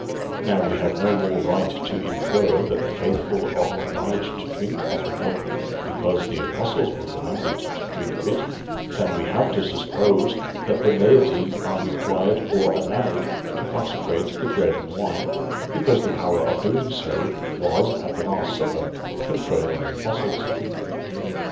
Now we have no more right to infer that the faithful are obliged to drink of the cup, because the Apostles were commanded to drink of it, than we have to suppose that the laity are required or allowed to consecrate the bread and wine, because the power of doing so was at the last Supper conferred on the Apostles.